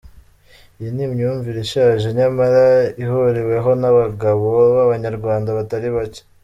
Iyi ni imyumvire ishaje, nyamara ihuriweho n’abagabo b’Abanyarwanda, batari bake.